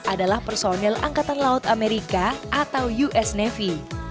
adalah personil angkatan laut amerika atau us navy